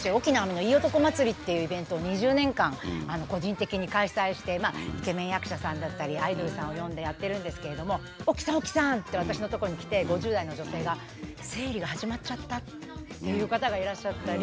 っていうイベントを２０年間個人的に開催してイケメン役者さんだったりアイドルさんを呼んでやってるんですけれども「沖さん沖さん」って私のとこに来て５０代の女性が「生理が始まっちゃった」って言う方がいらっしゃったり。